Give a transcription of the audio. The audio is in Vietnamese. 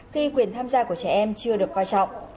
khi quyền tham gia của trẻ em chưa được coi trọng